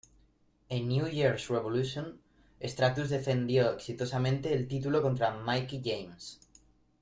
En "New Year's Revolution" Stratus defendió exitosamente el título contra Mickie James.